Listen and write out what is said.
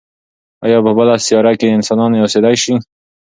ایا په بله سیاره کې انسانان اوسېدای شي؟